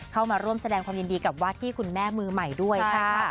เข้ามาร่วมแสดงความยินดีกับว่าที่คุณแม่มือใหม่ด้วยค่ะ